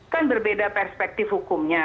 kan berbeda perspektif hukumnya